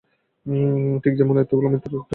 ঠিক যেমন এত্ত গুলা মিথ্যার মধ্যে এটা সত্য কথা।